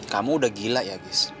kamu udah gila ya gus